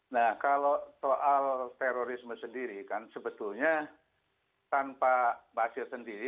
nah kalau soal terorisme sendiri kan sebetulnya tanpa basir sendiri